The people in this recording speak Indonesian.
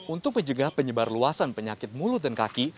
untuk menjaga penyebar luasan penyakit mulut dan kaki